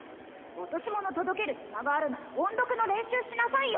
落とし物届けるひまがあるなら音読の練習しなさいよ！